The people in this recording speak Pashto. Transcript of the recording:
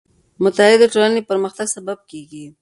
مطالعه د ټولنې د پرمختګ سبب کېږي.